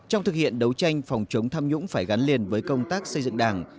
trong thực hiện đấu tranh phòng chống tham nhũng phải gắn liền với công tác xây dựng đảng